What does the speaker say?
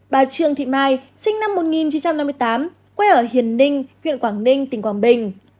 bà trương thị mai sinh năm một nghìn chín trăm năm mươi tám quê ở hiền ninh huyện quảng ninh tỉnh quảng bình